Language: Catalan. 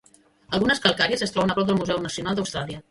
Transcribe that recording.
Algunes calcàries es troben a prop del Museu Nacional d'Austràlia.